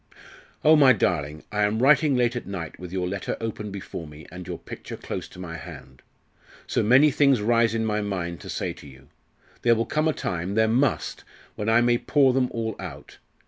"... Oh, my darling! I am writing late at night, with your letter open before me and your picture close to my hand. So many things rise in my mind to say to you. There will come a time there must! when I may pour them all out.